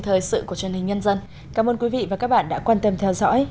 thời sự của truyền hình nhân dân cảm ơn quý vị và các bạn đã quan tâm theo dõi